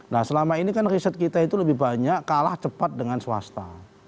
nah selama ini kan riset kita itu lebih banyak kalah cepat dengan swasta